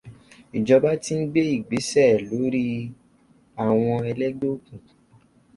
Ìjọba ti ń gbé ìgbésè lórí àwọn ẹlẹ́gbẹ́ òkùnkùn.